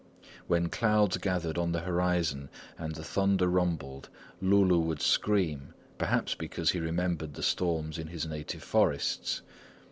When clouds gathered on the horizon and the thunder rumbled, Loulou would scream, perhaps because he remembered the storms in his native forests.